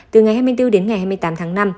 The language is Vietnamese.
từ ngày hai mươi bốn đến ngày hai mươi tám tháng năm